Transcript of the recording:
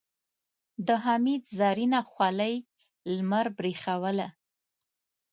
د حميد زرينه خولۍ لمر برېښوله.